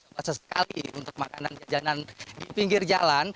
basah sekali untuk makanan jajanan di pinggir jalan